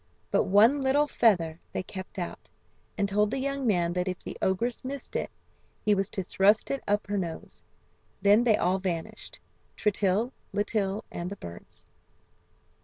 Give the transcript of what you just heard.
But one little feather they kept out, and told the young man that if the ogress missed it he was to thrust it up her nose. Then they all vanished, Tritill, Litill, and the birds.